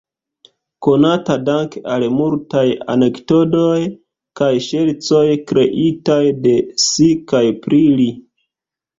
Konata danke al multaj anekdotoj kaj ŝercoj kreitaj de si kaj pri li.